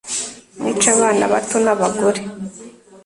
mwice abana bato n abagore